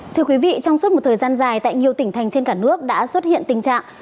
thưa quý vị trong suốt một thời gian dài tại nhiều tỉnh thành trên cả nước đã xuất hiện tình trạng